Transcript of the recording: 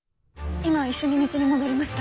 今一緒に道に戻りました。